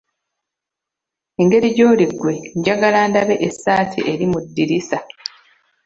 Engeri gyoli ggwe njagala ndabe essaati eri mu ddirisa.